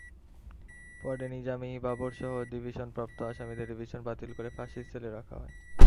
পরে নিজামী, বাবরসহ ডিভিশনপ্রাপ্ত আসামিদের ডিভিশন বাতিল করে ফাঁসির সেলে রাখা হয়।